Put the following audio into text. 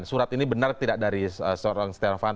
surat ini benar tidak dari seorang stenovan